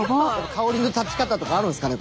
香りの立ち方とかあるんすかね。